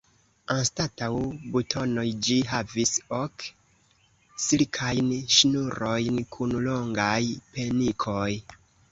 Anstataŭ butonoj ĝi havis ok silkajn ŝnurojn kun longaj penikoj.